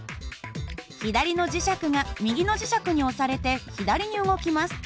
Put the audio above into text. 左の磁石が右の磁石に押されて左に動きます。